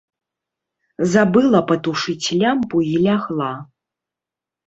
Забыла патушыць лямпу і лягла.